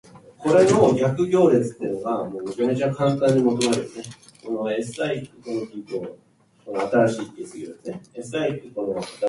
Meanwhile, Jaune Tom and his sidekick Robespierre arrive in Paris, searching for Mewsette.